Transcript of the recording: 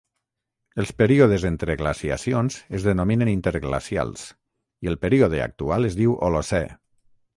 Els períodes entre glaciacions es denominen interglacials, i el període actual es diu Holocè.